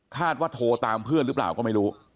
โทรตามเพื่อนหรือเปล่าก็ไม่รู้